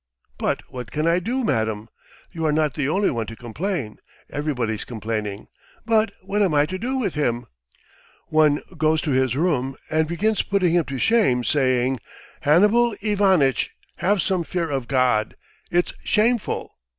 "But what can I do, madam? You are not the only one to complain, everybody's complaining, but what am I to do with him? One goes to his room and begins putting him to shame, saying: 'Hannibal Ivanitch, have some fear of God! It's shameful!